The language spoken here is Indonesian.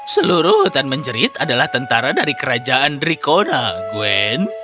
seluruh hutan menjerit adalah tentara dari kerajaan drikona gwen